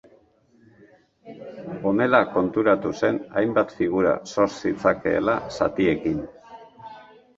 Honela konturatu zen hainbat figura sor zitzakeela zatiekin.